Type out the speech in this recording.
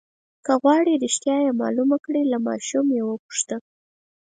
که غواړئ رښتیا معلوم کړئ له ماشوم یې وپوښته.